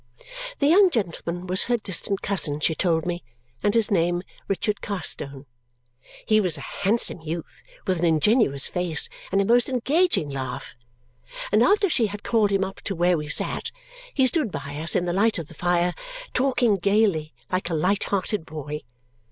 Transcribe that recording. The young gentleman was her distant cousin, she told me, and his name Richard Carstone. He was a handsome youth with an ingenuous face and a most engaging laugh; and after she had called him up to where we sat, he stood by us, in the light of the fire, talking gaily, like a light hearted boy.